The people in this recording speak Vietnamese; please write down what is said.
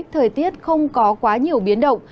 thời tiết không có quá nhiều biến động